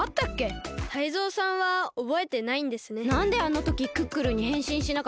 なんであのときクックルンにへんしんしなかったの？